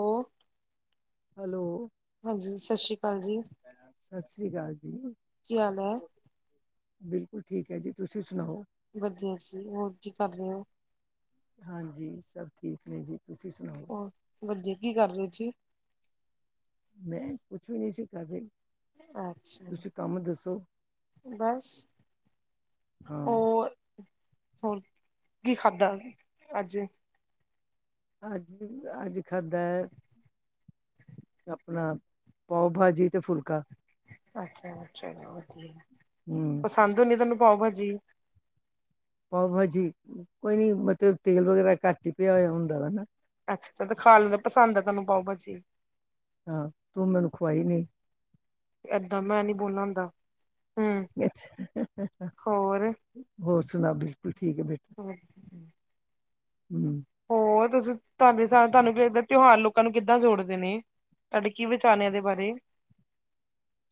ਓ hello. ਹਾਂਜੀ, ਸਸ਼ੀ ਕਾਲ ਜੀ। ਸੱਸ੍ਰੀ ਕਾਲ ਜੀ। ਕੀ ਹਾਲ ਹੈ ਬਿਲਕੁਲ ਠੀਕ ਹੈ ਜੀ, ਤੁਸੀ ਸੁਨਾਓ? ਵਦੀਆ ਜੀ, ਓਰ ਕੀ ਕਾਰ ਰੇ ਓ? ਹਾਂਜੀ ਸੱਬ ਠੀਕ ਨੇ ਜੀ, ਤੁਸੀ ਸੁਨਾਓ? ਔਰ, ਵਦੀਆ ਕੀ ਕਾਰ ਰੇ ਓ ਜੀ। ਮੈਂ ਕੁੱਛ ਵੀ ਨੀ ਸੀ ਕਾਰ ਰਈ। ਅੱਛਾ। ਤੁਸੀ ਕਾੱਮ ਦੱਸ ਬਾੱਸ, ਹਾਂ, ਓਰ ਹੋਰ, ਕੀ ਖਾਦਾ ਆੱਜ? ਆੱਜ, ਆੱਜ ਖਾਦੈ ਅਪਨਾ, ਪਾਓ-ਭਾਜੀ ਤੇ ਫੁਲਕਾ। ਅੱਛਾ, ਚਲੋ ਵਦੀਐ। ਹੂੰ। ਪਸਾਂਦ ਓਨੀ ਤਾਨੁੰ ਪਾਓ-ਭਾਜੀ। ਪਾਓ-ਭਾਜੀ, ਕੋਈ ਨੀ ਮਤਲ ਤੇਲ ਵਗੈਰਾ ਘਾੱਟ ਈ ਪੇਯਾ ਹੋਯਾ ਓਂਦਾ ਵਾ ਨਾ। ਅੱਛਾ‌ ਚਲੋ ਖਾ ਲੈਦਾ ਪਸਾਂਦ ਐ ਤੁਾਨੂੰ ਪਾਓ-ਭਾਜੀ। ਹਾਂ, ਤੂੰ ਮੈਨੂੰ ਖਵਾਈ ਨੀ। ਐਦਾ ਮੈਂ ਨੀ ਬੋਲਨਾ ਓਂਦਾ, ਹੂੰ, ਹੋਰ? ਹੋਰ ਸੁਨਾਓ, [unintelligible] ਠੀਕ ਏ ਬੇ ਹੋਰ ਹੂੰ, ਹੋਰ ਤੁਸੀ ਤੁਆਡੇ ਸਾ ਤੁਆਨੂੰ ਤਯੋਹਾਰ ਲੋਕਾ ਨੂੰ ਕਿੱਦਾ ਜੋੜਦੇ ਨੇ? ਤਾਡੇ ਕੀ ਵਿਚਾਰ ਨੇ ਐਦੇ ਬਾਰੇ।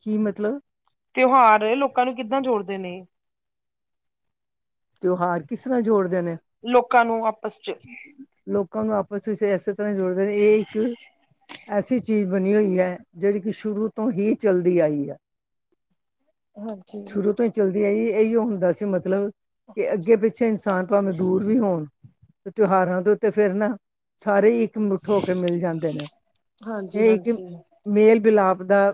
ਕੀ ਮਤਲਬ। ਤਯੋਹਾਰ ਲੋਕਾ ਨੂੰ ਕਿੱਦਾ ਜੋੜਦੇ ਨੇ। ਤਯੋਹਾਰ ਕਿਸ ਰਾ ਜੋੜਦੇ ਨੇ। ਲੋਕਾ ਨੂੰ ਆਪਸ ਚ। ਲੋਕਾ ਨੂੰ ਆਪਸ [unintelligible] ਐਸੇ ਤਰਾ ਈ ਜੋੜਦੇ ਨੇ ਏ ਇੱਕ ਐਸੀ ਚੀਜ ਬਨੀ ਓਈ ਐ ਜੜੀ ਕੀ ਸ਼ੁਰੂ ਤੋ ਹੀ ਚਲਦੀ ਆਈ ਆ [inaudible] ਸ਼ੁਰੂ ਤੋ ਈ ਚੱਲਦੀ ਆਈ ਐਯੋ ਹੁੰਦਾ ਸੀ ਮਤਲਬ ਕਿ ਅੱਗੇ ਪਿੱਛੇ ਇਨਸਾਨ ਪਾਵੇ ਦੂਰ ਵੀ ਹੋਣ ਤਯੋਹਾਰਾ ਦੇ ਉੱਤੇ ਫੇਰ ਨਾ, ਸਾਰੇ ਈ ਇੱਕ ਮੁੱਠ ਹੋਕੇ ਮਿਲ ਜਾਂਦੇ ਨੇ ਹਾਂਜੀ, [unintelligible] ਹਾਂਜੀ, ਮੇਲ ਵਿਲਾਪ ਦਾ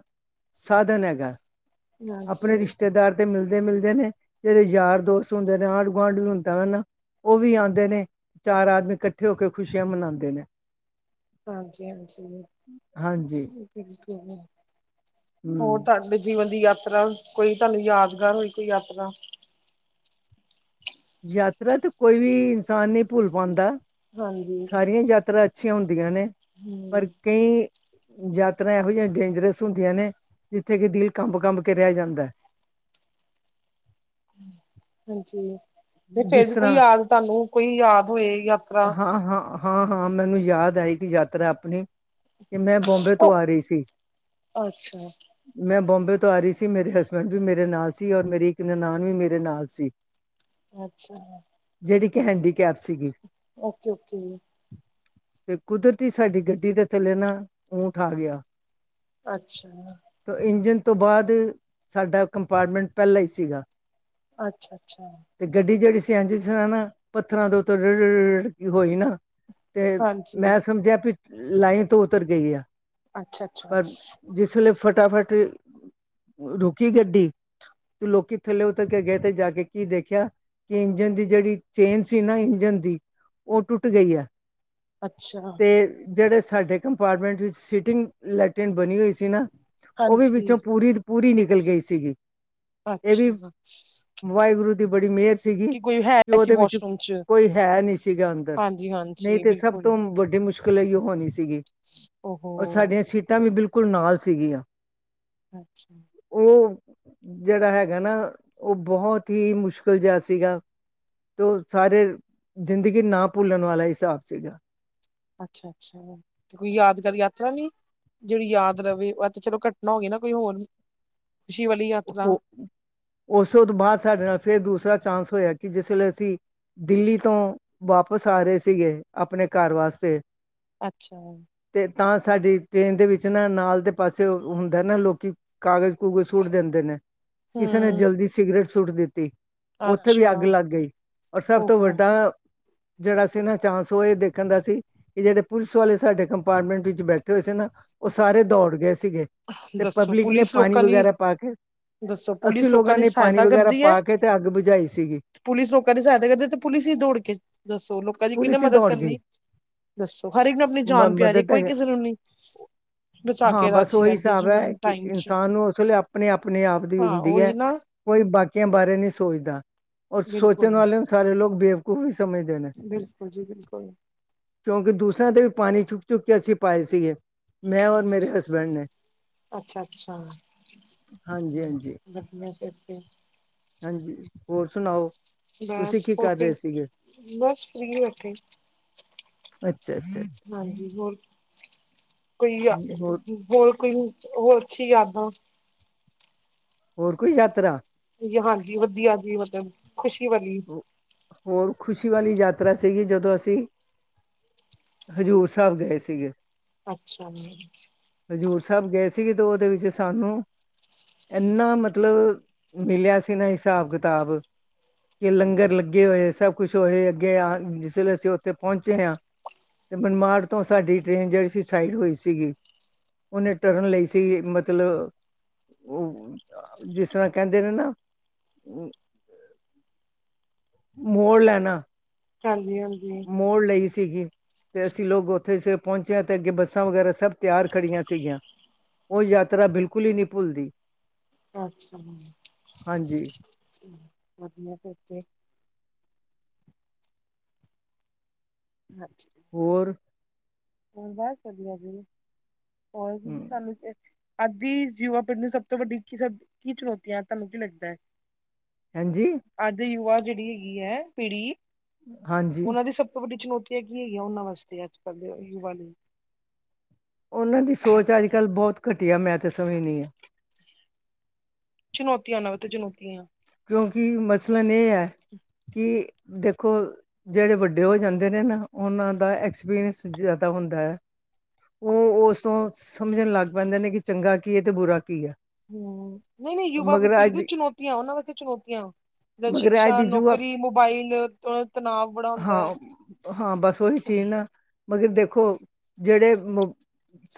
ਸਾਦਨ ਐਗੈ। ਅਪਨੇ ਹਾਂਜੀ, ਰਿਸ਼ਤੇਦਾਰ ਤੇ ਮਿਲਦੇ-ਮਿਲਦੇ ਨੇ ਜੜੇ ਯਾਰ ਦੋਸਤ ਹੁੰਦੇ ਨੇ ਆਂਡ ਗੁਆਂਢ ਵੀ ਹੁੰਦਾ ਵਾ ਨਾ ਓ ਵੀ ਆਂਦੇ ਨੇ ਚਾਰ ਆਦਮੀ ਕੱਠੇ ਹੋ ਕੇ ਖੁਸ਼ੀਆਂ ਮਨਾਂਦੇ ਨੇ। ਹਾਂਜੀ-ਹਾਂਜੀ, ਹਾਂਜੀ ਬਿਲਕੁਲ। ਹੋਰ ਹਮ ਤਾਡੇ ਜੀਵਨ ਦੀ ਯਾਤਰਾ ਕੋਈ ਤੁਆਨੂੰ ਯਾਦਗਾਰ ਹੋਈ ਕੋਈ ਯਾਤਰਾ। ਯਾਤਰਾ ਤੇ ਕੋਈ ਵੀ ਇਨਸਾਨ ਨੀ ਪੁੱਲ ਪਾਂਦਾ। ਹਾਂਜੀ। ਯਾਤਰਾ ਅੱਛੀਆਂ ਓਂਦੀਆਂ ਨੇ ਪਰ ਹੂੰ ਕਈ, ਯਾਤਰਾ ਐਹੋ ਜਿਹੀਆਂ ਡੇਂਜਰਸ ਸੁਂਦੀਆਂ ਨੇ ਜਿੱਥੇ ਕਿ ਦਿਲ ਕਾੱਬ-ਕਾੱਬ ਕੇ ਰੈ ਜਾਂਦੈ। ਹਾਂਜੀ ਤੇ ਜਿਸ ਫੇਰ ਕੋਈ ਤਰ੍ਹਾਂ ਯਾਦ ਤੁਹਾਨੂੰ ਕੋਈ ਯਾਦ ਹੋਏ ਯਾਤਰਾ। ਹਾਂ-ਹਾਂ ਹਾਂ-ਹਾਂ ਮੈਨੂੰ ਯਾਦ ਆਈ ਦੀ ਯਾਤਰਾ ਆਪਣੀ। ਕਿ ਮੈਂ ਬੋਂਬੇ ਤੋਂ ਆ ਉਹ ਰਹੀ ਸੀ। ਅੱਛਾ, ਮੈਂ ਬੋਬੇ ਤੋਂ ਆ ਰਹੀ ਸੀ ਮੇਰੇ ਹਸਬੈਂਡ ਵੀ ਮੇਰੇ ਨਾਲ ਸੀ ਔਰ ਮੇਰੀ ਇੱਕ ਨਨਾਨ ਵੀ ਮੇਰੇ ਨਾਲ ਸੀ। ਅੱਛਾ ਜਿਹੜੀ ਕਿ ਹੈਂਡੀਕੈਪ ਸੀਗੀ। ਓਕੇ-ਓਕੇ ਜੀ। ਤੇ ਕੁਦਰਤੀ ਸਾਡੀ ਗੱਡੀ ਦੇ ਥੱਲੇ ਨਾ ਊਠ ਆ ਗਿਆ। ਅੱਛਾ ਤਾਂ ਇੰਜਣ ਤੋਂ ਬਾਦ ਸਾਡਾ ਕੰਪਾਰਟਮੈਂਟ ਪਹਿਲਾ ਹੀ ਸੀਗਾ। ਅੱਛਾ-ਅੱਛਾ ਤੇ ਗੱਡੀ ਜਿਹੜੀ ਸੀ ਐਜ ਸੀ ਨਾ ਪੱਥਰਾਂ ਤੋਂ ਉਤੋਂ ਰੀ-ਰੀ ਕੇ ਹੋਈ ਨਾ। ਤੇ ਹਾਂਜੀ ਮੈਂ ਸਮਝਿਆ ਵੀ ਲਾਈਨ ਤੋਂ ਉਤਰ ਗਈ ਆ। ਅੱਛਾ-ਅੱਛਾ, ਪਰ ਅੱਛ ਜਿਸ ਲੇ ਫਟਾਫਟ ਰੁਕੀ ਗੱਡੀ ਤੇ ਲੋਕੀ ਥੱਲੇ ਉਥ ਕੇ ਗਏ ਤੇ ਜਾ ਕੇ ਕੀ ਦੇਖ ਖਿਆ ਕਿ ਇੰਜਣ ਦੀ ਜਿਹੜੀ ਚੇਨ ਸੀ ਨਾ ਇੰਜਨ ਦੀ ਉਹ ਟੁੱਟ ਗਈ ਹੈ। ਅੱਛਾ ਜਿਹੜੇ ਸਾਡੇ ਕੰਪਾਰਟਮੈਂਟ ਵਿੱਚ ਸੀਟਿੰਗ ਲੈਟਰਿਨ ਬਣੀ ਹੋਈ ਸੀ ਨਾ ਉਹ ਵੀ ਹਾਂਜੀ ਵਿੱਚੋਂ ਪੂਰੀ ਦੀ ਪੂਰੀ ਨਿਕਲ ਗਈ ਸੀਗੀ। ਇਹ ਵੀ ਅੱਛਾ ਵਾਹਿਗੁਰੂ ਦੀ ਬੜੀ ਮਿਹਰ ਸੀਗੀ ਕੋਈ ਹੈ ਕਿ ਸੀ ਉਹਦੇ ਵਿੱਚ ਵਾਸ਼ਰੂਮ ਚ ਕੋਈ ਹੈ ਨੀ ਸੀਗਾ ਅੰਦਰ, ਹਾਂਜੀ, ਨਹੀਂ ਹਾਂਜੀ ਤੇ ਸਭ ਬਿਲਕੁਲ ਤੋਂ ਵੱਡੀ ਮੁਸ਼ ਕਿਲ ਇਹੀਓ ਹੋਣੀ ਸੀਗੀ ਓਹੋ ਔਰ ਸਾਡੀਆਂ ਸੀਟਾਂ ਵੀ ਬਿਲਕੁਲ ਨਾਲ ਸੀਗੀਆ। ਅੱਛਾ ਉਹ ਜਿਹੜਾ ਹੈਗਾ ਨਾ ਉਹ ਬਹੁਤ ਹੀ ਮੁਸ਼ ਸ਼ਕਲ ਜਿਹਾ ਸੀਗਾ ਤੇ ਸਾਰੇ ਜ਼ਿੰਦਗੀ ਨਾ ਭੁੱਲਣ ਵਾਲਾ ਹਿਸਾਬ ਸੀਗਾ। ਅੱਛਾ-ਅੱਛਾ ਤੇ ਕੋਈ ਯਾਦਗਾਰੀ ਯਾਤਰਾ ਨੀ ਜਿਹੜੀ ਯਾਦ ਰਵੇ ਏਹ ਤੇ ਚਲੋ ਘਟਨਾ ਹੋ ਗ ਨਾ ਕੋਈ ਹੋਰ ਖ਼ੁਸ਼ੀ ਵਾਲੀ ਯਾਤਰਾ। ਉਹ ਉਸ ਤੋਂ ਬਾਦ ਸਾਡੇ ਨਾਲ ਫੇਰ ਦੂਸਰਾ ਚਾਂਸ ਹੋਇਆ ਕਿ ਜਿਸਲੇ ਅਸੀ ਦਿੱਲੀ ਤੋਂ ਵਾਪਿਸ ਆ ਰਹੇ ਸੀਗੇ ਆਪਣੇ ਘਰ ਵਾਸਤੇ। ਅੱਛਾ। ਤੇ ਤਾਂ ਸਾਡੀ ਟ੍ਰੇਨ ਦੇ ਵਿੱਚ ਨਾ ਨਾਲ ਦੇ ਪਾਸੇ ਹੁੰਦਾ ਨਾ ਲੋਕੀ ਕਾਗਜ਼ ਕੂਗਜ਼ ਸੁੱਟ ਨੇ ਦਿੰਦੇ ਕਿਸੇ ਕਿਸੇ ਨੇ ਹੂੰ ਜਲਦੀ ਸਿਗਰਟ ਸੁੱਟ ਦਿੱਤੀ। ਉੱਥੇ ਵੀ ਅੱਛਾ ਅੱਗ ਲੱਗ ਗਈ ਔਰ ਸਭ ਤੋਂ ਓਹੋ ਵੱਡਾ ਜਿਹੜਾ ਸੀਨਾ ਚਾਂਸ ਉਹ ਇਹ ਦੇਖਣ ਦਾ ਸੀ ਕਿ ਜਿਹੜੇ ਪੁਲਿਸ ਵਾਲੇ ਸਾਡੇ ਕੰਪਾਰਟਮੈਂਟ ਵਿੱਚ ਬੈਠੇ ਹੋਏ ਸੀ ਨਾ ਉਹ ਸਾਰੇ ਦੌੜ ਗਏ ਸੀਗੇ ਤੇ ਦੱਸੋ ਪਬਲਿਕ ਨੇ ਪੁਲਿਸ ਪਾਣੀ ਲੋਕਾਂ ਦੀ ਵਗੈਰਾ ਪਾ ਕੇ ਦੱਸੋ ਅਸੀਂ ਪੁਲਿਸ ਲੋਕਾਂ ਲੋਗਾ ਦੀ ਨੇ ਪਾਣੀ ਸਹਾਇਤਾ ਵਗੈਰਾ ਕਰਦੀ ਐ ਪਾ ਕੇ ਤੇ ਅੱਗ ਬੁਝਾਈ ਸੀਗੀ। ਪੁਲਿਸ ਲੋਕਾਂ ਦੀ ਸਹਾਇਤਾ ਕਰਦੀ ਇਥੇ ਪੁਲਿਸ ਹੀ ਦੌੜ ਕੇ ਦੱਸੋ ਲੋਕਾਂ ਦੀ ਕਿਹਨੇ ਪੁਲਿਸ ਹੀ ਮਦਦ ਦੌੜ ਗਈ ਕਰਨੀ। ਦੱਸੋ ਹਰ ਇੱਕ ਨੂੰ ਆਪਣੀ ਮ ਜਾਨ ਪਿਆਰੀ ਹੈ ਮਦਦ ਤਾਂ ਕੋਈ ਕਿਸੇ ਨੂੰ ਨੀ ਬਚਾ ਕੇ ਰਾ ਸੋਹੀ ਹਿਸਾਬ ਹੈ ਕਿ ਇਨਸਾਨ ਨੂੰ ਉਸ ਵੇਲੇ ਆਪਣੇ-ਆਪਣੇ ਆਪ ਦੀ ਹਾਂ ਹੁੰਦੀ ਹੈ। ਉਹੀ ਨਾ ਕੋਈ ਬਾਕੀਆਂ ਬਾਰੇ ਨੀ ਸੋਚਦਾ ਰ ਸੋਚਣ ਬਿਲਕੁਲ ਵਾਲਿਆਂ ਨੂੰ ਸਾਰੇ ਲੋਕ ਬੇਵਕੂਫ ਹੀ ਸਮਝਦੇ ਨੇ ਬਿਲਕੁਲ ਜੀ ਬਿਲਕੁਲ। ਕਿਉਂਕਿ ਦੂਸਰਿਆਂ ਤੇ ਵੀ ਪਾਣੀ ਚੁੱਕ-ਚੁੱਕ ਕੇ ਅਸੀਂ ਪਾਏ ਸੀਗੇ। ਮੈਂ ਔਰ ਮੇਰੇ ਹਸਬੈਂਡ ਨੇ। ਅੱਛਾ- ਅੱਛਾ ਹਾਂਜੀ ਹਾਂਜੀ ਵਧੀਆ ਤੇ ਫਿਰ। ਹਾਂਜੀ ਹੋਰ ਸੁਣਾਓ? ਬਸ ਤੁਸੀਂ ਕੀ ਕਰ ਓਕੇ ਰਹੇ ਸੀਗੇ? ਬਸ ਫਰੀ ਬੈਠੇ। ਅੱਛਾ-ਅੱਛਾ ਅ। ਹਾਂਜੀ ਹੋਰ ਕੋਈ ਯ ਹੋਰ ਹੋਰ ਕੋਈ ਹੋਰ ਅੱਛੀ ਯਾਦਾਂ। ਹੋਰ ਕੋਈ ਯਾਤਰਾ। ਜੀ ਹਾਂਜੀ ਵਧੀਆ ਕਿ ਮਤਲਬ ਖੁਸ਼ੀ ਵਾਲੀ। ਹੋਰ ਖੁਸ਼ੀ ਵਾਲੀ ਯਾਤਰਾ ਸਹੀ ਐ, ਜਦੋਂ ਅਸੀਂ। ਹਜ਼ੂਰ ਸਾਹਿਬ ਗਏ ਸੀਗੇ। ਅੱਛਾ- ਅੱਛਾ। ਹਜ਼ੂਰ ਸਾਹਿਬ ਗਏ ਸੀਗੇ ਦੋ ਦਿਨ ਤੇ ਵਿੱਚ ਸਾਨੂੰ ਇਨਾ ਮਤਲਬ ਮਿਲਿਆ ਸੀ ਨਾ ਹਿਸਾਬ- ਕਿਤਾਬ। ਕਿ ਲੰਗਰ ਲੱਗੇ ਹੋਏ ਸਭ ਕੁੱਛ ਹੋ ਰਹਾ ਅੱਗੇ ਆ ਜਿਸ ਵੇਲੇ ਅਸੀਂ ਉੱਥੇ ਪਹੁੰਚੇ ਹਾਂ। ਤੇ ਮਨਮਾੜ ਤੋਂ ਸਾਡੀ ਟ੍ਰੇਨ ਜਿਹੜੀ ਸੀ ਸਾਈਡ ਹੋਈ ਸੀਗੀ। ਉਹਨੇ ਟਰਨ ਲਈ ਸੀ ਮਤਲਬ। ਉਹ ਜਿਸ ਤਰ੍ਹਾਂ ਕਹਿੰਦੇ ਨੇ ਨਾ। ਮੋੜ ਲੈਣਾ। ਹਾਂਜੀ-ਹਾਂਜੀ। ਮੋੜ ਲਈ ਸੀਗੀ। ਤੇ ਅਸੀਂ ਲੋਕ ਉੱਥੇ ਪਹੁੰਚਿਆ ਤੇ ਅੱਗੇ ਬੱਸਾਂ ਵਗੈਰਾ ਸਭ ਤਿਆਰ ਖੜੀਆਂ ਸੀਗੀਆਂ। ਉ ਯਾਤਰਾ ਬਿਲਕੁਲ ਹੀ ਨਹੀਂ ਭੁੱਲਦੀ। ਅੱਛਾ ਹਾਂਜੀ ਵਧੀਆ ਫਿਰ ਤੇ। ਅੱਛਾ। ਹੋਰ ਹੋਰ ਬਸ ਵਧੀਆ ਜੀ ਹੋਰ ਹਮ ਸਾਨੂੰ ਅੱਜ ਦੀ ਯੀਵਾ ਪੀੜ੍ਹੀ ਨੂੰ ਸਭ ਤੋਂ ਵੱਡੀ ਸਭ ਕੀ ਚੁਣੌਤੀ ਹੈ ਤੁਹਾਨੂੰ ਕੀ ਲੱਗਦਾ ਹੈ। ਹਾਂਜੀ। ਅੱਜ ਦੀ ਯੁਵਾ ਜਿਹੜੀ ਹੈਗੀ ਹੈ ਪੀੜੀ ਹਾਂਜੀ ਉਹਨਾਂ ਦੀ ਸਭ ਵੱਡੀ ਚੁਣੌਤੀਆਂ ਕੀ ਹੈਗੀਆਂ ਉਹਨਾਂ ਵਾਸਤੇ ਅੱਜ ਕੱਲ ਦੇ ਯੁਵਾ ਲਈ ਉਹਨਾਂ ਦੀ ਸੋਚ ਅੱਜ ਕੱਲ੍ਹ ਬਹੁਤ ਘਟੀਆ ਮੈਂ ਤੇ ਸਮਝਣੀ ਆ ਚੁਣੌਤੀਆਂ ਨਵ ਤੇ ਚੁਣੌਤੀਆਂ। ਕਿਉਂਕਿ ਮਸਲਨ ਇਹ ਹੈ ਕਿ ਦੇਖੋ ਜਿਹੜੇ ਵੱਡੇ ਹੋ ਜਾਂਦੇ ਨੇ ਨਾ ਉਹਨਾਂ ਦਾ ਐਕਸਪੀਰੀਅੰਸ ਜ਼ਿਆਦਾ ਹੁੰਦਾ ਹੈ। ਉਹ ਉਸ ਤੋਂ ਸਮਝਣ ਲੱਗ ਪੈਂਦੇ ਨੇ ਕਿ ਚੰਗਾ ਕੀ ਹੈ ਤੇ ਬੁਰਾ ਕੀ ਹੈ। ਹਮ ਨਹੀਂ ਨਹੀਂ ਯੁਵਾ ਮਗਰ ਅੱਜ ਪੀੜੀ ਚੁਣੌਤੀਆਂ ਉਹਨਾਂ ਵਾਸਤੇ ਚੁਣੌਤੀਆਂ, ਮਗਰ ਅੱਜ ਸ਼ਿਕਸ਼ਾ ਦੀ ਯੁਵਾ ਨੌਕਰੀ ਮੋਬਾਈਲ ਤਣਾਵ ਬੜਾ ਹੁੰਦਾ ਹਾਂ ਹੈ। ਹਾਂ ਬਸ ਉਹੀ ਚੀਨ ਮਗਰ ਦੇਖੋ ਜਿਹੜੇ,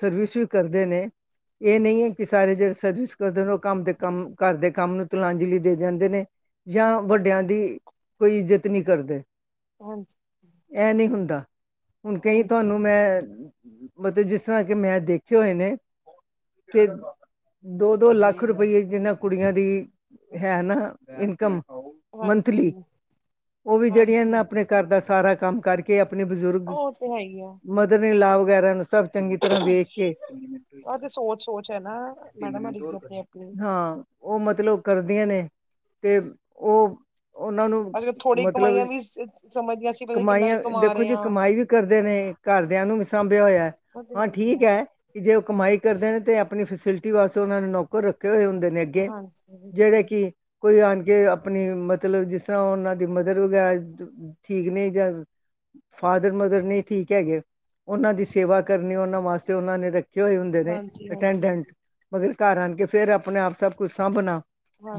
ਸਰਵਿਸ ਵੀ ਕਰਦੇ ਨੇ, ਇਹ ਨਹੀਂ ਹੈ, ਕਿ ਸਾਰੇ ਜਿਹੜੇ ਸਰਵਿਸ ਕਰਦੇ ਉਹ ਕੰਮ ਦੇ ਕੰਮ ਘਰ ਦੇ ਕੰਮ ਨੂੰ ਤਲਾਂਜਲੀ ਦੇ ਜਾਂਦੇ ਨੇ ਜਾ ਵੱਡਿਆਂ ਦੀ ਕੋਈ ਇੱਜਤ ਨਹੀਂ ਕਰਦੇ ਹਾਂਜੀ ਇਹ ਨਹੀਂ ਹੁੰਦਾ ਹੁਣ ਕਈ ਤੁਹਾਨੂੰ ਹਾਂਜੀ-ਹਾਂਜੀ-ਹਾਂਜੀ। ਮੈਂ ਮਤਲਬ ਜਿਸ ਤਰ੍ਹਾਂ ਕਿ ਮੈਂ ਦੇਖੇ ਹੋਏ ਨੇ ਕਿ ਦੋ-ਦੋ ਲੱਖ ਰੁਪਈਏ ਜਿਨਾਂ ਕੁੜੀਆਂ ਦੀ ਹੈ ਨਾ ਇਨਕਮ ਹਾਂਜੀ, ਮੰਥਲੀ ਹਾਂਜੀ ਓ ਵੀ ਜੜੀਆਂ ਨਾ ਹਾਂਜੀ ਆਪਣੇ ਘਰ ਦਾ ਸਾਰਾ ਕੰਮ ਕਰ ਕੇ ਆਪਣੇ ਬਜ਼ੁਰਗ ਉਹ ਤੇ ਹੈ ਹੀ ਆ ਮਦਰ ਇਨ ਲਾ ਵਗੈਰਾ ਨੂੰ ਸਭ ਚੰਗੀ ਤਰ੍ਹਾਂ ਵੇਖ ਕੇ, ਆਹ ਤੇ ਸੋਚ-ਸੋਚ ਹੈ ਨਾ ਮੈਡਮ ਹਰੀ ਦੀ ਆਪਣੀ-ਆਪਣੀ। ਹਾਂ ਓ ਮਤਲਬ ਕਰਦੀਆਂ ਨੇ ਤੇ ਓ ਅੱਜ ਕੱਲ ਥੋੜ੍ਹੀ ਕਮਾਈਆਂ ਵੀ ਸ ਸਮਝਦੇ ਆ ਅਸੀਂ ਪਤਾ ਨੀ ਕਿੰਨਾ ਕੁ ਕਮਾਈਆਂ ਕਮਾ ਦੇਖੋ ਰਏ ਜੀ ਆਂ। ਕਮਾਈ ਵੀ ਕਰਦੇ ਨੇ, ਘਰਦਿਆਂ ਨੂੰ ਵੀ ਸਾਂਭੇਆ ਹੋਏਐ। ਉਹ ਤੇ ਹਾਂ, ਹੈ ਹੀ ਠੀਕ ਹੈ, ਐ। ਕਿ ਜੇ ਓ ਕਮਾਈ ਕਰਦੇ ਨੇ ਤੇ ਆਪਣੀ ਫਸਿਲਟੀ ਵਾਸਤੇ ਓਨਾਂ ਨੇ ਨੌਕਰ ਰੱਖੇ ਹੋਏ ਹੁੰਦੇ ਨੇ ਅੱਗੇ ਹਾਂਜੀ ਜੇੜੇ ਬਿਲਕੁਲ ਕਿ ਕੋਈ ਆਨ ਕੇ ਆਪਣੀ ਮਤਲਬ ਜਿਸ ਤਰ੍ਹਾਂ ਓਨਾਂ ਦੀ ਮਦਦ ਵਗੈ ਠੀਕ ਨੀ [unintelligible] ਫਾਦਰ, ਮਦਰ ਨੀ ਠੀਕ ਹੈਗੇ, ਓਨਾਂ ਦੀ ਸੇਵਾ ਕਰਨੀ, ਓਨਾਂ ਵਾਸਤੇ ਓਨਾਂ ਨੇ ਰੱ ਖ਼ੇ ਹੋਏ ਹੁੰਦੇ ਨੇ ਅਟੈਂਡੈਂਟ ਹਾਂਜੀ-ਹਾਂਜੀ। ਮਗਰ ਘਰ ਆਨ ਕੇ ਫੇਰ ਆਪਣੇ ਆਪ ਸਭ ਕੁਛ ਸਾਂਭਨਾ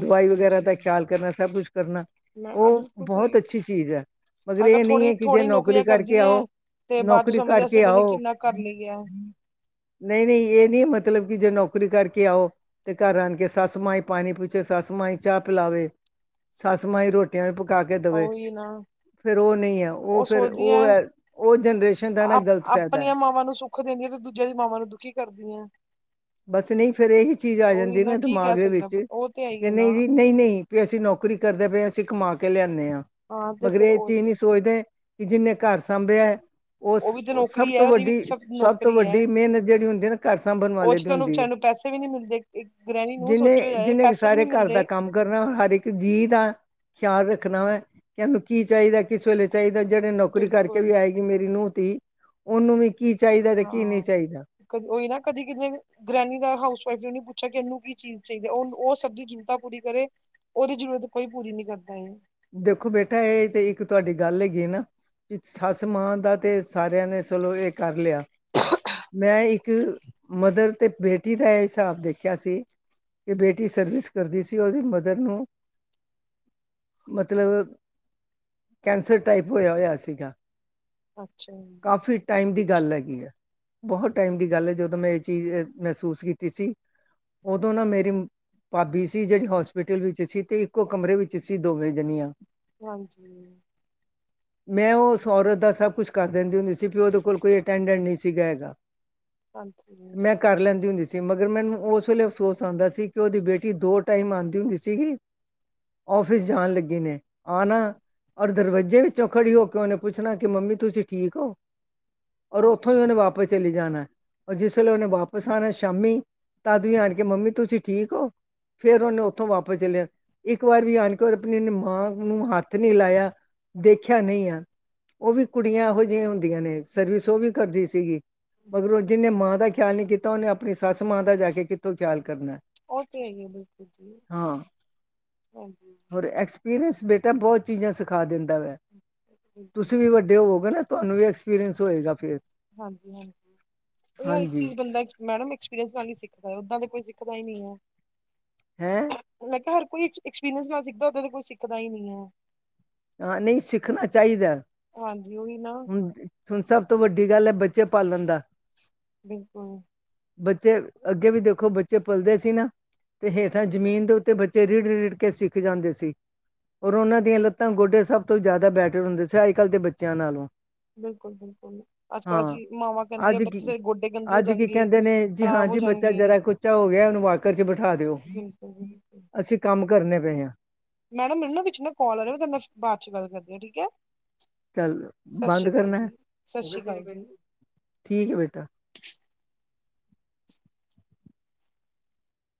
ਦਵਾਈ ਵਗੈਰਾ ਦਾ ਖਿਆਲ ਕਰਨਾ, ਸਭ ਕੁਛ ਕਰਨਾ ਮੈਂ ਆ ਓ ਬਿਲਕੁਲ ਬੋਹੋਤ ਸਹੀ ਅੱਛੀ ਚੀਜ਼ ਐ। ਮਗਰ ਅੱਜ-ਕੱਲ ਏ ਨੀ ਐ ਕਿ ਜੇ ਥੋੜੀ-ਥੋੜ੍ਹੀ ਨੌਕਰੀ ਨੌਕਰੀਆਂ ਕਰਕੇ ਕਰਦੀ ਹੈ। ਆਓ ਤੇ ਬਾਅਦ ਚੋਂ ਨੌਕਰੀ ਸਮਝਦੇ ਅਸੀਂ ਕਰਕੇ ਪਤਾ ਨੀ ਆਓ ਕਿੰਨਾ ਕਰ ਲਈਏ। ਨਈ-ਨਈ ਏ ਨੀ ਮਤਲਬ ਕਿ ਜੇ ਨੌਕਰੀ ਕਰਕੇ ਆਓ ਤੇ ਘਰ ਆਨ ਕੇ ਸੱਸ ਮਾਂ ਈ ਪਾਣੀ ਪੁੱਛੇ, ਸੱਸ ਮਾਂ ਈ ਚਾਅ ਪਿਲਾਵੇ, ਸੱਸ ਮਾਂ ਈ ਰੋ ਟੀਆਂ ਪਕਾ ਕੇ ਦਵੇ। ਹੀਨਾ ਫੇਰ ਓ ਨਈ ਐ। ਓ ਫੇਰ ਓ ਐ, ਓ ਜਨਰੇਸ਼ਨ ਦਾ ਨਾ ਏੱਕ ਆਪ ਗਲਤ ਫੈਦਾ ਐ। ਆਪਣੀਆਂ ਮਾਵਾਂ ਨੂੰ ਸੁ ਖ ਦੇਂਦੀਐ ਤੇ ਦੂਜੇਆਂ ਦੀ ਮਾਵਾਂ ਨੂੰ ਦੁਖੀ ਕਰਦੀਐਂ। ਬਸ ਨਈ ਫੇਰ ਏਹੀ ਚੀਜ਼ ਆ ਉਹੀ ਜਾਂਦੀ ਏ ਨਾ ਕੀ ਦਿਮਾਗ ਕਹਿ ਦੇ ਸਕਦਾ ਵਿੱਚ। ਉਹ ਤੇ ਹੈ ਹੀ ਹੈ ਕੇਂਦੇ ਨਾ ਜੀ ਨਈ-ਨਈ ਵੀ ਅਸੀ ਨੌਕਰੀ ਕਰਦੇ ਪਏ ਆਂ। ਅਸੀ ਕਮਾ ਕੇ ਲਿਆਨੇ ਆਂ। ਹਾਂ ਤੇ ਮਗਰ ਫੇਰ ਏ ਚੀਜ਼ ਉਹੀ ਨੀ ਸੋਚਦੇ ਕਿ ਜਿੰਨੇ ਘਰ ਸਾਂਭੇਐ ਓਸ ਉਹ ਵੀ ਤੇ ਓ ਸਭ ਨੌਕਰੀ ਤੋਂ ਹੈ ਉਹਦੀ ਵੀ ਵੱਡੀ, ਸਭ ਤੋਂ ਨੌਕਰੀ ਵੱਡੀ ਮੇਨਤ ਜੜੀ ਹੁੰਦੀ ਏ ਨਾ ਘਰ ਸਾਂਭਨ ਵਾਲੇ ਦੀ ਤੇ ਓਨੂੰ ਹੁੰਦੀ ਹੈ ਵਿਚਾਰੀ ਨੂੰ ਪੈਸੇ ਵੀ ਨੀ ਮਿਲਦੇ ਏੱਕ, ਏੱਕ ਗ੍ਰੈਨੀ ਨੂੰ। ਜਿਹਨੇ ਸੋਚੇਯਾ ਜਾਏ ਜਿਹਨੇ ਪੈਸੇ ਵੀ ਨੀ ਸਾਰੇ ਘਰ ਦਾ ਮਿਲਦੇ ਕੰਮ ਕਰਨਾ ਹਰ ਏੱਕ ਜੀਅ ਦਾ ਖਿਆਲ ਰੱਖਣਾ ਵੈ ਕੈਨੂੰ ਕੀ ਚਾਈਦੈ। ਕਿਸ ਵੇਲੇ ਚਾਈਦੇ, ਜੜੇ ਨੌਕਰੀ ਕਰਕੇ ਬਿਲਕੁਲ ਵੀ ਆਏਗੀ ਮੇਰੀ ਨੂੰਹ-ਧੀ ਓਨੂੰ ਵੀ ਕੀ ਚਾਈਦੈ ਤੇ ਕੀ ਨਈ ਹਾਂ ਚਾਈਦਾ। ਕਦੀ ਓਈ ਨਾ, ਕਦੀ ਕਿਦੇ ਗ੍ਰੈਨੀ ਦਾ ਹਾਊਸ ਵਾਈਫ਼ ਜੇ ਨੀ ਪੁੱਛੇ ਕੇ ਏਨੂੰ ਕੀ ਚੀਜ਼ ਚਾਈਦੀ ਐ, ਓਨੂ ਓ ਸਭ ਦੀ ਜ਼ਰੂਰਤਾਂ ਪੂਰੀ ਕਰੇ। ਓਦੀ ਜ਼ਰੂਰਤ ਕੋਈ ਪੂਰੀ ਨੀ ਕਰਦਾ ਇਵੇਂ। ਦੇਖੋ ਬੇਟਾ ਏ ਤੇ ਇੱਕ ਤੁਆਡੀ ਗੱਲ ਹੈਗੀ ਏ ਨਾ। ਇੱਕ ਸੱਸ ਮਾਂ ਦਾ ਤੇ ਸਾਰਿਆਂ ਨੇ ਚਲੋ ਏ ਕਰ ਲਿਆ ਮੈਂ ਇੱਕ ਮਦਰ ਤੇ ਬੇਟੀ ਦਾ ਏ ਹਿਸਾਬ ਦੇਖਿਆ ਸੀ। ਏ ਬੇਟੀ ਸਰਵਿਸ ਕਰਦੀ ਸੀ ਓਦੀ ਮਦਰ ਨੂੰ ਮਤਲਬ ਕੈਂਸਰ ਟਾਈਪ ਹੋਏਆ, ਹੋਏਆ ਸੀਗਾ। ਅੱਛਾ। ਕਾਫੀ ਟਾਈਮ ਦੀ ਗੱਲ ਹੈਗੀ ਏ। ਬੋਹੋਤ ਟਾਈਮ ਦੀ ਗੱਲ ਐ ਜਦੋਂ ਮੈਂ ਐ ਚੀਜ਼ ਅ ਮਹਿਸੂਸ ਕੀਤੀ ਸੀ। ਓਦੋਂ ਨਾ ਮੇਰੀ ਪਾਬੀ ਸੀ ਜੜੀ ਹੋਸਪਿਟਲ ਵਿੱਚ ਸੀ ਤੇ ਇੱਕੋ ਕਮਰੇ ਵਿੱਚ ਸੀ ਦੋਵੇਂ ਜਨੀਆ। ਹਾਂਜੀ। ਮੈਂ ਓ ਓਸ ਔਰਤ ਦਾ ਸਭ ਕੁਛ ਕਰ ਦੇਂਦੀ ਹੁੰਦੀ ਸੀ ਬੀ ਓਦੇ ਕੋਲ ਕੋਈ ਅਟੈਂਡੈਂਟ ਨਈ ਸੀਗਾ ਹੈਗਾ। [unintelligible] ਮੈਂ ਕਰ ਲੈਂਦੀ ਹੁੰਦੀ ਸੀ। ਮਗਰ ਮੈਨੂੰ ਓਸ ਵੇਲੇ ਅਫਸੋਸ ਆਂਦਾ ਸੀ ਕਿ ਓਦੀ ਬੇਟੀ ਦੋ ਟਾਈਮ ਆਂਦੀ ਹੁੰਦੀ ਸੀਗੀ। ਓਫਿਸ ਜਾਣ ਲੱਗੇ ਨੇ, ਆਣਾ। ਔਰ ਦਰਵਜੇ ਵਿੱਚੋਂ ਖੜੀ ਹੋ ਕੇ ਓਨੇ ਪੁੱਛਣਾ ਕਿ ਮੰਮੀ ਤੁਸੀ ਠੀਕ ਓ। ਔਰ ਅੱਛਾ ਓਥੋਂ ਈ ਓਨੇ ਵਾਪਸ ਚਲੀ ਜਾਨੈ। ਔਰ ਜਿਸ ਵੇਲੇ ਓਨੇ ਵਾਪਸ ਆਨੈ ਸ਼ਾਮੀ ਤਦ ਵੀ ਆਣ ਕੇ ਮੰਮੀ ਤੁਸੀ ਠੀਕ ਓ। ਫੇਰ ਓਨੇ ਓਥੋਂ ਵਾਪਸ ਚੱਲੇ ਜਾ ਇੱਕ ਵਾਰ ਵੀ ਆਨ ਕਰ ਆਪਣੀ ਇਨੇ ਮਾਂ ਨੂੰ ਹੱਥ ਨੀ ਲਾਏਆ, ਦੇਖੇਆ ਨਈ ਐ। ਓ ਵੀ ਕੁੜੀਆਂ ਐਹੋ ਜਿਈਆਂ ਹੁੰਦੀਆਂ ਨੇ ਸਰਵਿਸ ਓ ਵੀ ਕਰਦੀ ਸੀਗੀ। ਮਗਰ ਓ ਜਿੰਨੇ ਮਾਂ ਦਾ ਖਿਆਲ ਨੀ ਕੀਤਾ ਓਨੇ ਆਪਣੀ ਸੱਸ ਮਾਂ ਦਾ ਜਾ ਕੇ ਕਿੱਥੋਂ ਖ਼ਿਆਲ ਕਰਨੈ। ਓ ਤੇ ਹੈਗੀ ਬਿਲਕੁਲ ਜੀ। ਹਾਂਜੀ। ਔਰ ਐਕਸਪੀਰੀਅੰਸ ਬੇਟਾ ਬੋਤ ਚੀਜ਼ਾਂ ਸਿਖਾ ਦਿੰਦਾ ਵੈ। ਬਿਲਕੁਲ ਤੁਸੀ ਵੀ ਵੱਡੇ ਹੋਵੋਗੇ ਨਾ ਤੁਆਨੂੰ ਵੀ ਐਕਸਪੀਰੀਅੰਸ ਹੋਏਗਾ ਫੇਰ। ਹਾਂਜੀ-ਹਾਂਜੀ ਕੋਈ ਹਰ ਏੱਕ ਚੀਜ਼ ਬੰਦਾ ਮੈਡਮ ਐਕਸਪੀਰੀਅੰਸ ਨਾਲ ਈ ਸਿੱਖਦੈ, ਓਦਾਂ ਤੇ ਕੋਈ ਸਿੱਖਦਾ ਈ ਨਈ ਐ। ਹੈਂ! ਮੈ ਕਿਆ ਹਰ ਕੋਈ ਐਕਸ, ਐਕਸਪੀਰੀਅੰਸ ਨਾਲ ਸਿੱਖਦੈ ਓਦਾਂ ਤਾਂ ਕੋਈ ਸਿੱਖਦਾ ਈ ਨੀ ਐ। ਹਾਂ ਨਈ ਸਿੱਖਨਾ ਚਾਈਦੈ, ਹਾਂਜੀ ਉਹੀ ਨਾ ਹੂੰ। ਹੁਣ ਸਭ ਤੋਂ ਵੱਡੀ ਗੱਲ ਐ ਬੱਚੇ ਪਾਲਨ ਦਾ ਬਿਲਕੁਲ। ਬੱਚੇ, ਅੱਗੇ ਵੀ ਦੇਖੋ ਬੱਚੇ ਪਲਦੇ ਸੀ ਨਾ। ਤੇ ਹੇਠਾਂ ਜਮੀਨ ਦੇ ਉੱਤੇ ਬੱਚੇ ਰਿੜ-ਰਿੜ ਕੇ ਸਿੱਖ ਜਾਂਦੇ ਸੀ ਔਰ ਓਨਾਂ ਦੀਆਂ ਲੱ ਤਾਂ, ਗੋਡੇ ਸਭ ਤੋਂ ਜਾਦਾ ਬੈਟਰ ਹੁੰਦੇ ਸੀ ਅੱਜ ਕਾੱਲ ਦੇ ਬੱਚੇਆਂ ਨਾਲੋਂ। ਬਿਲਕੁਲ-ਬਿਲਕੁਲ ਅੱਜ ਕੱਲ੍ਹ ਹਾਂ ਅਸੀਂ ਮਾਵਾਂ ਕੈਂਦੀਆ ਅੱਜ ਕੀ ਬੱਚੇ ਤੇਰੇ ਗੋਡੇ ਗੰਦੇ ਹੋ ਅੱਜ ਕੀ ਜਾਣਗੇ। ਕਹਿੰਦੇ ਨੇ ਜੀ ਹਾਂ ਖ਼ਰਾਬ ਹੋ ਜੀ ਬੱਚਾ ਜਾਣਗੇ ਜਰਾ ਕੁ ਉੱਚਾ ਹੋ ਗੇਆ ਓਨੂੰ ਵਾਕਰ 'ਚ ਬਠਾ ਦੇਓ। ਬਿਲਕੁਲ ਜੀ ਬਿਲਕੁਲ ਅਸੀ ਕੰਮ ਕਰਨੇ ਪਏ ਆਂ। ਮੈਡਮ ਮੈਨੂੰ ਨਾ ਵਿੱਚ ਨਾ ਕੋਲ ਆ ਰਿਆ। ਮੈਂ ਤੁਆਡੇ ਨਾਲ ਬਾਦ 'ਚ ਗੱਲ ਕਰਦੀ ਆਂ ਠੀਕ ਐ। ਚੱਲ ਬੰਦ ਕਰਨੈ? ਜੀ ਸਤਿ ਸ਼੍ਰੀ ਅਕਾਲ ਜੀ ਠੀਕ ਐ ਬੇਟਾ।